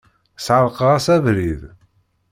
Sεerqeɣ-as abrid.